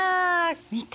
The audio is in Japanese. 見て。